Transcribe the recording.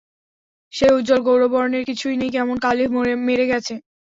সেই উজ্জ্বল গৌরবর্ণের কিছুই নেই, কেমন কালি মেরে গেছে।